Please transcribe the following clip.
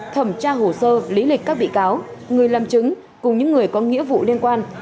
thẩm tra hồ sơ lý lịch các bị cáo người làm chứng cùng những người có nghĩa vụ liên quan